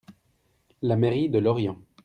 La mairie de Lorient.